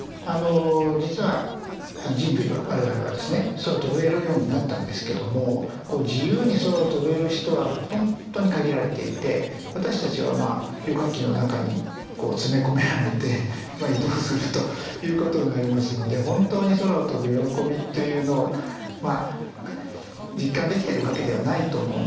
実は人類は我々はですね空飛べるようになったんですけども自由に空を飛べる人はほんとに限られていて私たちは旅客機の中に詰め込められて移動するということになりますので本当に空を飛ぶ喜びというのを実感できてるわけではないと思うんですよね。